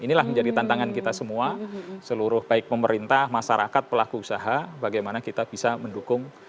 inilah menjadi tantangan kita semua seluruh baik pemerintah masyarakat pelaku usaha bagaimana kita bisa mendukung